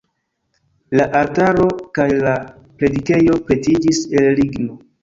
La altaro kaj la predikejo pretiĝis el ligno.